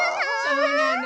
そうなの。